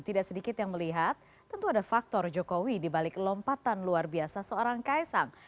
tidak sedikit yang melihat tentu ada faktor jokowi dibalik lompatan luar biasa seorang kaisang